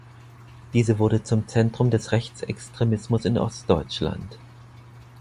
Diese wurde zum Zentrum des Rechtsextremismus in Ostdeutschland.